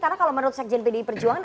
karena kalau menurut sekjen pdi perjuangan